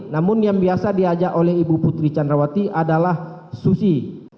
namun yang biasa diajak oleh ibu putri candrawati adalah susi